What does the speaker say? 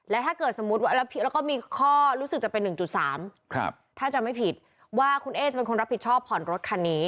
ถ้าเกิดสมมุติว่าแล้วก็มีข้อรู้สึกจะเป็น๑๓ถ้าจำไม่ผิดว่าคุณเอ๊จะเป็นคนรับผิดชอบผ่อนรถคันนี้